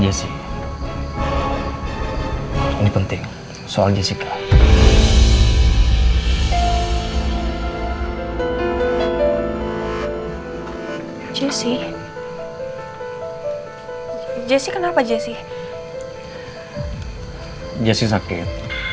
tapi dia harus sembuh